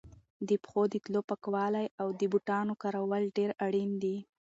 د پښو د تلو پاکوالی او د بوټانو کارول ډېر اړین دي.